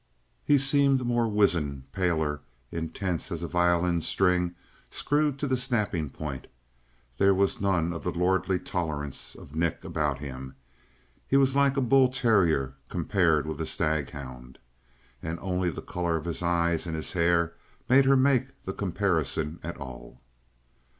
He seemed more wizened, paler, and intense as a violin string screwed to the snapping point; there was none of the lordly tolerance of Nick about him; he was like a bull terrier compared with a stag hound. And only the color of his eyes and his hair made her make the comparison at all.